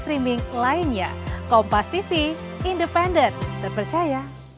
terima kasih pak menteri